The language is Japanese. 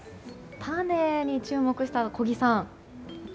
種に注目した小木さん。